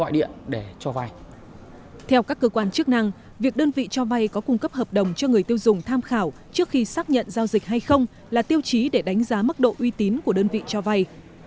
đơn vị cho vay có cung cấp hợp đồng cho người tiêu dùng tham khảo trước khi xác nhận giao dịch hay không là tiêu chí để đánh giá mức độ uy tín của đơn vị cho vay